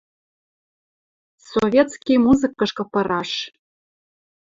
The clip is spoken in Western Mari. Советский музыкышкы пыраш